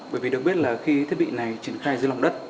bởi vì được biết là khi thiết bị này triển khai dưới lòng đất